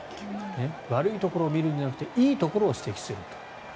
悪いところを見るんじゃなくていいところを指摘する。